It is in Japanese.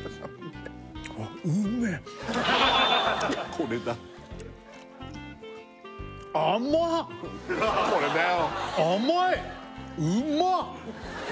これだこれだよ！